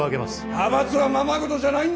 派閥はままごとじゃないんだよ！